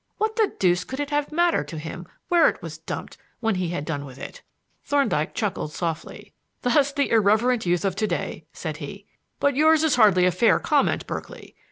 What the deuce could it have mattered to him where it was dumped, when he had done with it?" Thorndyke chuckled softly. "Thus the irreverent youth of to day," said he. "But yours is hardly a fair comment, Berkeley.